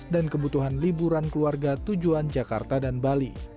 dan kebutuhan liburan keluarga tujuan jakarta dan bali